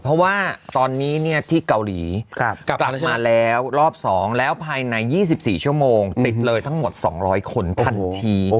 เพราะว่าตอนนี้ที่เกาหลีกลับมาแล้วรอบ๒แล้วภายใน๒๔ชั่วโมงติดเลยทั้งหมด๒๐๐คนทันที